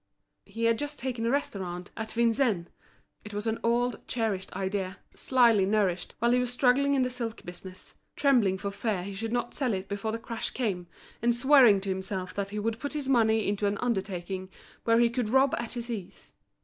He had just taken a restaurant at Vincennes. It was an old, cherished idea, slyly nourished while he was struggling in the silk business, trembling for fear he should not sell it before the crash came, and swearing to himself that he would put his money into an undertaking where he could rob at his ease.